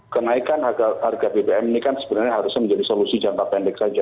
kenaikan harga bbm ini kan sebenarnya harusnya menjadi solusi jangka pendek saja